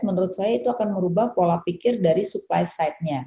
menurut saya itu akan merubah pola pikir dari supply side nya